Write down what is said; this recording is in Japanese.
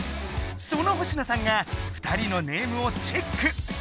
その星野さんが二人のネームをチェック。